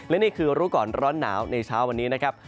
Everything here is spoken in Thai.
และนี่คือรู้ก่อนร้อนหนาวในเช้าวันนี้นะครับ